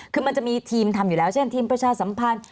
คือมันจะมีทีมทำอยู่แล้วเช่นทีมประชาสัมพันธ์